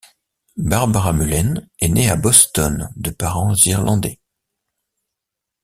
Barbara Mullen est née à Boston de parents irlandais.